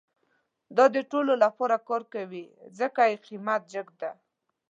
دا د ټولو لپاره کار کوي، ځکه یې قیمت جیګ ده